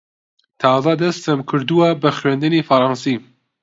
تازە دەستم کردووە بە خوێندنی فەڕەنسی.